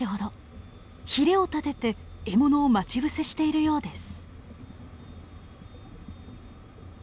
ヒレを立てて獲物を待ち伏せしているようです。